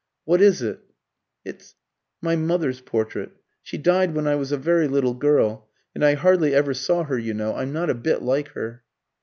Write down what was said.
"What is it?" "It's my mother's portrait. She died when I was a very little girl, and I hardly ever saw her, you know. I'm not a bit like her."